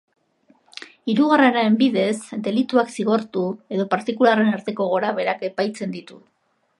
Hirugarrenaren bidez, delituak zigortu edo partikularren arteko gorabeherak epaitzen ditu.